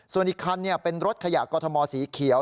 ส่วนอีกคันเป็นรถขยะกอทมสีเขียว